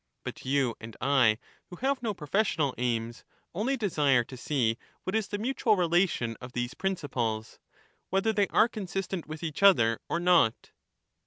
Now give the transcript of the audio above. But you and I, who have no professional aims, only desire to see what is the mutual relation of these principles, — whether they are consistent with each other or not.